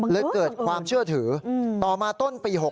และเกิดความเชื่อถือแน้นเหมือนไม่เบ็ด